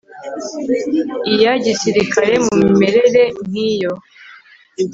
iya gisirikare mu mimerere nk iyo